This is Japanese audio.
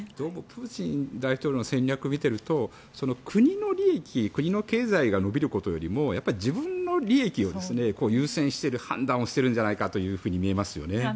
プーチン大統領の戦略を見ていると国の利益国の経済が伸びることよりも自分の利益を優先している判断をしているんじゃないかと見えますね。